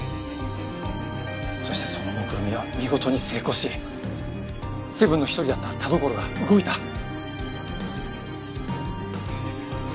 そしてそのもくろみは見事に成功しセブンの一人だった田所が動いた。